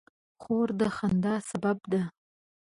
خور د خندا سبب ده.